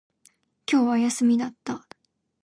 今日は休みだった